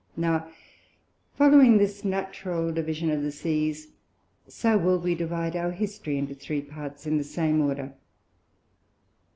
Now following this natural division of the Seas, so will we divide our History into three parts in the same order.